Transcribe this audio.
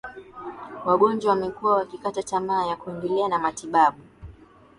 wagonjwa wamekuwa wakikata tamaa ya kuendelea na matibabu